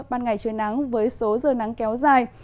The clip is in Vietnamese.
ban ngày trời nắng với số giờ nắng kéo dài